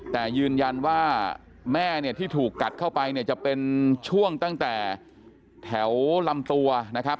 แต่ยืนยันว่าแม่เนี่ยที่ถูกกัดเข้าไปเนี่ยจะเป็นช่วงตั้งแต่แถวลำตัวนะครับ